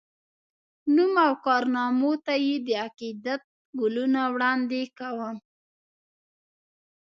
نوم او کارنامو ته یې د عقیدت ګلونه وړاندي کوم